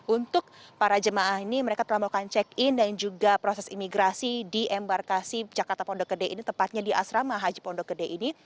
untuk para jemaah ini mereka telah melakukan check in dan juga proses imigrasi di embarkasi jakarta pondok gede ini tepatnya di asrama haji pondok gede ini